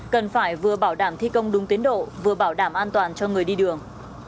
cần phải vừa bảo đảm thi công đúng tiến độ vừa bảo đảm an toàn cho người đi đường